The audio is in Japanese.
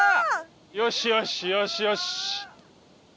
よしよしよしよし。